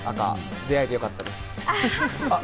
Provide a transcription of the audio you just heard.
出会えてよかったです。